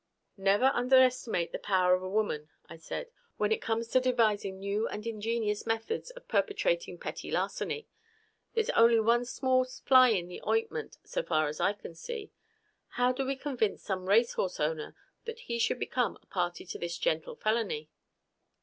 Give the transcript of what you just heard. "Never underestimate the power of a woman," I said, "when it comes to devising new and ingenious methods of perpetrating petty larceny. There's only one small fly in the ointment, so far as I can see. How do we convince some racehorse owner he should become a party to this gentle felony?"